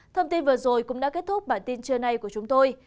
thông tin vừa rồi cũng đã kết thúc bản tin trưa nay của chúng tôi